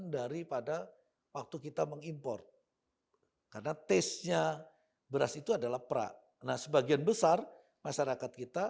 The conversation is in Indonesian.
daripada waktu kita mengimpor karena tesnya beras itu adalah pra nah sebagian besar masyarakat kita